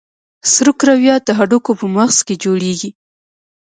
سره کرویات د هډوکو په مغز کې جوړېږي.